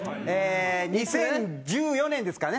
２０１４年ですかね。